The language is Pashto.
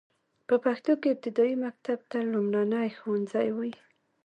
په پښتو کې ابتدايي مکتب ته لومړنی ښوونځی وايي.